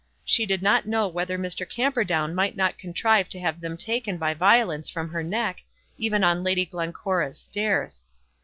She did not know whether Mr. Camperdown might not contrive to have them taken by violence from her neck, even on Lady Glencora's stairs.